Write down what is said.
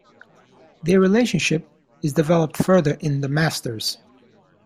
Their relationship is developed further in "The Masters".